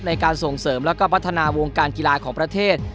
ในการส่งเสริมแล้วก็พัฒนาวงการกีฬาของประเทศ